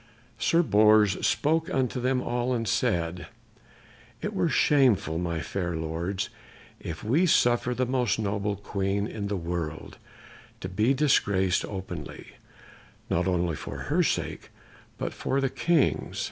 Sir Bors spoke unto them all and said, "It were shameful, my fair lords, if we suffered the most noble Queen in the world to be disgraced openly, not only for her sake, but for the King's."